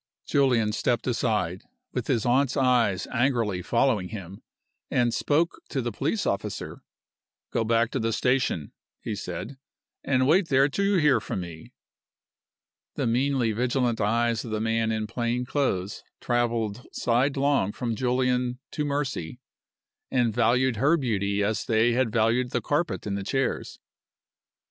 Julian stepped aside (with his aunt's eyes angrily following him) and spoke to the police officer. "Go back to the station," he said, "and wait there till you hear from me." The meanly vigilant eyes of the man in plain clothes traveled sidelong from Julian to Mercy, and valued her beauty as they had valued the carpet and the chairs.